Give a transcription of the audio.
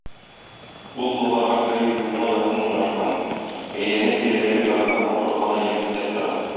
Ул Болгарга керү юлына якын урнашкан, әйләнә-тирәдәге табигать матурлыгына ямь өстәп тора.